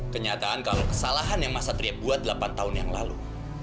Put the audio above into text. kenyataan kalau kesalahan yang mas satria buat delapan tahun yang lalu